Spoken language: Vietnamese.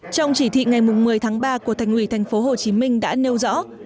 trong chỉ thị ngày một mươi tháng ba của thành ủy tp hcm đã nêu rõ